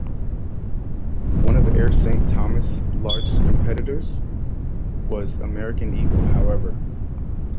One of Air Saint Thomas largest competitors was American Eagle, however.